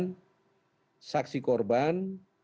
dan juga saksi korban